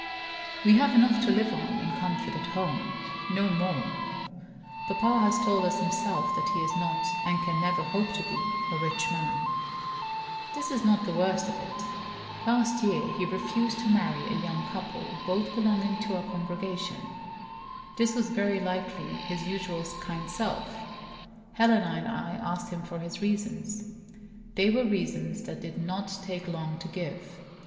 We have enough to live on in comfort at home no more. Papa has told us himself that he is not (and can never hope to be) a rich man. This is not the worst of it. Last year, he refused to marry a young couple, both belonging to our congregation. This was very unlike his usual kind self. Helena and I asked him for his reasons. They were reasons that did not take long to give.